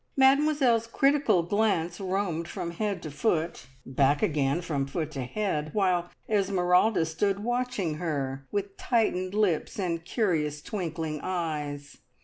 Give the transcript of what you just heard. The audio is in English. Mademoiselle's critical glance roamed from head to foot, back again from foot to head, while Esmeralda stood watching her with tightened lips and curious twinkling eyes.